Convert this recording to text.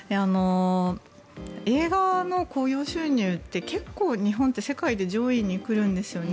映画の興行収入って結構、日本って世界で上位に来るんですよね。